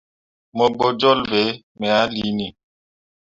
Mo gbo jolle be me ah liini.